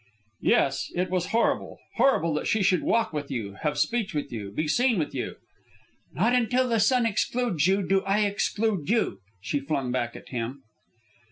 "Yes, it was horrible, horrible that she should walk with you, have speech with you, be seen with you." "'Not until the sun excludes you, do I exclude you,'" she flung back at him.